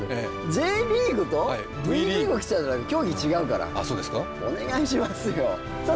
ＪリーグとＶリーグ来ちゃうなら競技違うからあっそうですかお願いしますよさあ